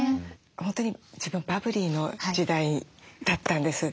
本当に自分はバブリーの時代だったんです。